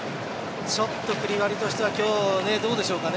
ちょっとクリバリとしては今日、どうでしょうかね。